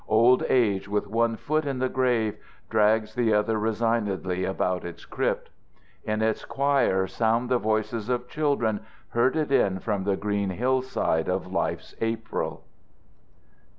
Old age with one foot in the grave drags the other resignedly about its crypt. In its choir sound the voices of children herded in from the green hillside of life's April.